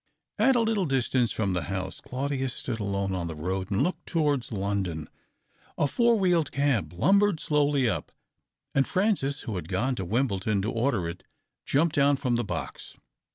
At a little distance from the house Chiudius stood alone on the road and looked towards London. A four wheeled cab lumbered slowly up, and Francis, who had gone to Wimbledon to order it, jumped down from the box.